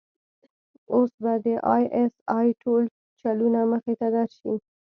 اوس به د آى اس آى ټول چلونه مخې ته درشي.